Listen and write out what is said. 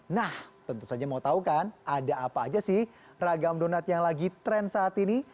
nah tentu saja mau tau kan ada apa aja sih ragam donat yang lagi tren saat ini